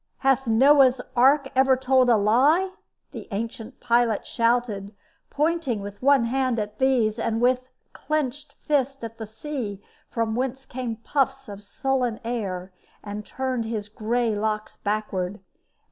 "Hath Noah's Ark ever told a lie?" the ancient pilot shouted, pointing with one hand at these, and with a clinched fist at the sea, whence came puffs of sullen air, and turned his gray locks backward.